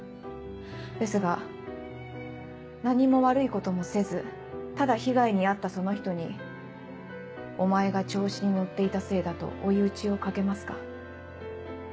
ですが何も悪いこともせずただ被害に遭ったその人に「お前が調子に乗っていたせいだ」と追い打ちをかけますか？